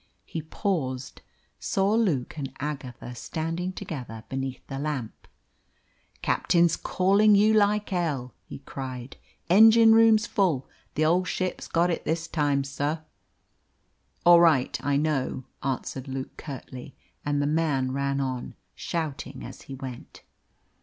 He paused, saw Luke and Agatha standing together beneath the lamp. "Captain's callin' you like hell!" he cried. "Engine room's full. The old ship's got it this time, sir." "All right, I know," answered Luke curtly; and the man ran on, shouting as he went.